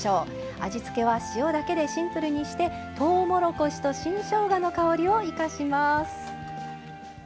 味付けは塩だけでシンプルにしてとうもろこしと新しょうがの香りを生かします。